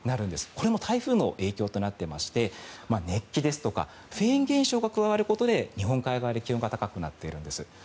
これも台風の影響となっていまして熱気ですとかフェーン現象が加わることで日本海側で気温が高くなっているんです。